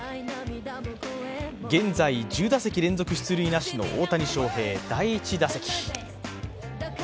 現在、１０打席連続出塁なしの大谷翔平、第１打席。